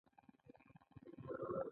دې ته په اقتصاد کې پانګواله اجاره ویل کېږي